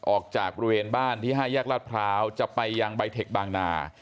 ออกจากบริเวณบ้านที่๕แยกลาดพร้าวจะไปยังใบเทคบางนา